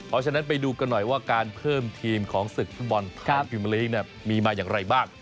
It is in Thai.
เพราะฉะนั้นไปดูกันหน่อยว่าการเพิ่มทีมของศึกฟุตบอลภาพพิมเมอร์ลีกมีมาอย่างไรบ้าง